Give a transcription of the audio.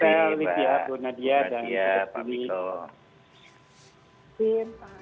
terima kasih pak